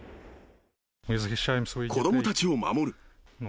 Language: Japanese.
子どもたちを守る。